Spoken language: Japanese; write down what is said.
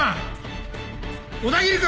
小田切君！